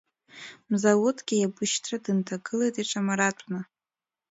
Мзауҭгьы иабышьҭра дынҭагылеит иҽамаратәны.